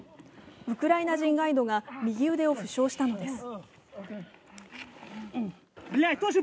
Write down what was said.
ウクライナ人ガイドが右腕を負傷したのです。